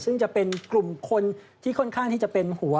ซึ่งจะเป็นกลุ่มคนที่ค่อนข้างที่จะเป็นหัว